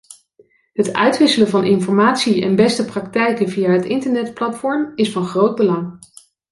Het uitwisselen van informatie en beste praktijken via het internetplatform is van groot belang.